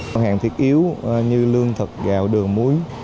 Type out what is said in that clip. mặt hàng thiết yếu như lương thực gạo đường muối